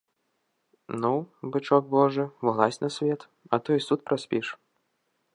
Ну, бычок божы, вылазь на свет, а то і суд праспіш.